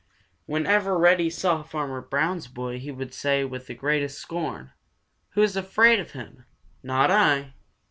Whenever Reddy saw Farmer Brown's boy he would say with the greatest scorn: "Who's afraid of him? Not I!"